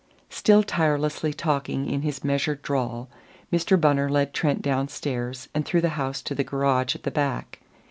Still tirelessly talking in his measured drawl, Mr. Bunner led Trent downstairs and through the house to the garage at the back.